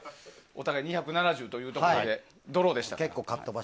お互い２７０というところでドローでした。